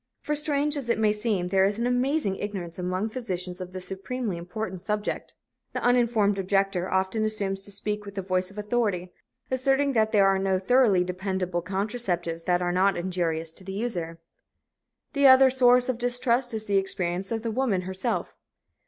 For, strange as it may seem, there is an amazing ignorance among physicians of this supremely important subject. The uninformed objector often assumes to speak with the voice of authority, asserting that there are no thoroughly dependable contraceptives that are not injurious to the user. The other source of distrust is the experience of the woman herself.